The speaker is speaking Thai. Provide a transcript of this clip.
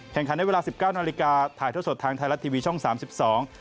แข่งขันได้เวลา๑๙นถ่ายทั่วสดทางไทยรัททีวีช่อง๓๒